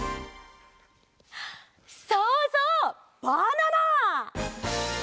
そうそうバナナ！